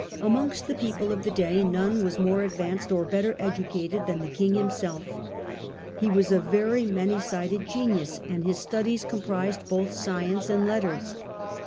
Amongst the men of the day, none was more advanced or better educated than the King himself. He was a very many sided genius, and his studies comprised both science and letters.